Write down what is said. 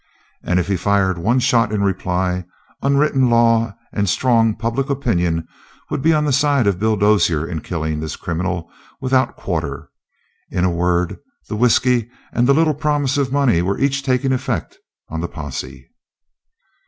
And if he fired one shot in reply, unwritten law and strong public opinion would be on the side of Bill Dozier in killing this criminal without quarter. In a word, the whisky and the little promise of money were each taking effect on the posse.